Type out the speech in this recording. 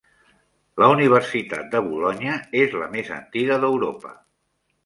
La Universitat de Bolonya és la més antiga d'Europa.